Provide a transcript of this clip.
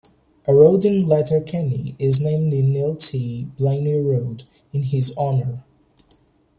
A road in Letterkenny is named the Neil T. Blaney Road in his honour.